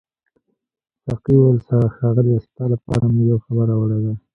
ساقي وویل ښاغلیه ستا لپاره مې یو خبر راوړی دی.